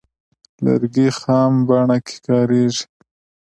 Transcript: لرګی خام بڼه کې کاریږي.